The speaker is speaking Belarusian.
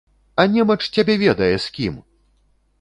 А немач цябе ведае, з кім!